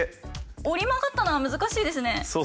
折り曲がったのは難しいですね。